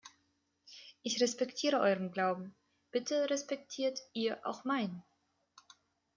Ich respektiere euren Glauben, bitte respektiert ihr auch meinen.